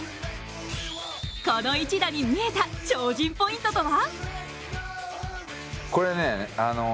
この一打に見えた超人ポイントとは？